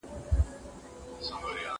آیا هوايي ډګر تر موټر تمځای لوی دی؟